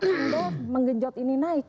anda menggenjot ini naik